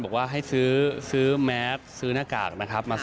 บอกว่าให้ซื้อแมสซื้อหน้ากากนะครับ